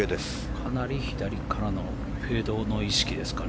かなり左からのフェードの意識ですかね